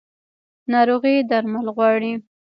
ناروغي درمل غواړي